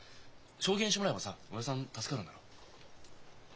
証言してもらえばさ親父さん助かるんだろ？